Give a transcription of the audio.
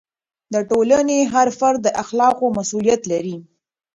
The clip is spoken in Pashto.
د ټولنې هر فرد د اخلاقو مسؤلیت لري.